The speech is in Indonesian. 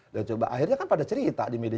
dia coba akhirnya kan pada cerita di media